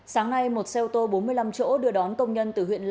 sáng nay một xe ô tô bốn mươi năm chỗ đưa đón công nhân từ huyện